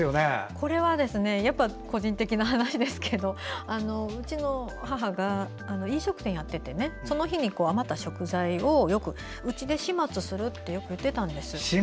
これは個人的な話ですけどうちの母が飲食店をやっていてその日に余った食材をうちで「始末する」ってよく言っていたんです。